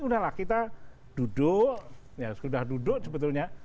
udah lah kita duduk ya sudah duduk sebetulnya